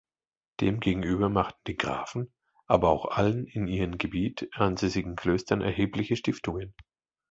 Demgegenüber machten die Grafen aber auch allen in ihrem Gebiet ansässigen Klöstern erhebliche Stiftungen.